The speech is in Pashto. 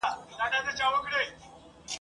خپلو هغو افغانانو ته د هدایت دعا کوم ..